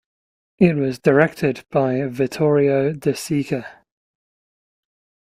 It was directed by Vittorio De Sica.